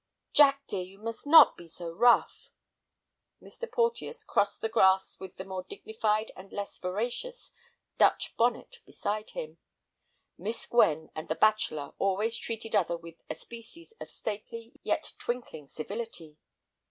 "Jack, dear, you must not be so rough." Mr. Porteus crossed the grass with the more dignified and less voracious Dutch bonnet beside him. Miss Gwen and the bachelor always treated each other with a species of stately yet twinkling civility.